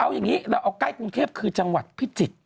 เอาอย่างนี้เราเอาใกล้กรุงเทพคือจังหวัดพิจิตร